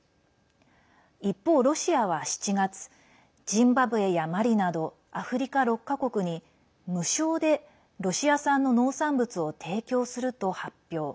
一方、ロシアは７月ジンバブエやマリなどアフリカ６か国に無償でロシア産の農産物を提供すると発表。